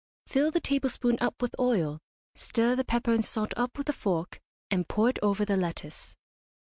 Fill the tablespoon up with oil, stir the pepper and salt up with a fork, and pour it over the lettuce.